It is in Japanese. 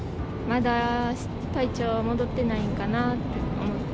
まだ体調戻ってないんかなと思って。